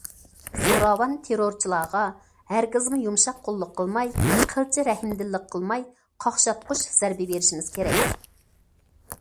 زوراۋان- تېررورچىلارغا ھەرگىزمۇ يۇمشاق قوللۇق قىلماي، قىلچە رەھىمدىللىك قىلماي قاقشاتقۇچ زەربە بېرىشىمىز كېرەك.